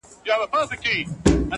ژوند له امید نه معنا پیدا کوي.